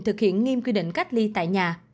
thực hiện nghiêm quy định cách ly tại nhà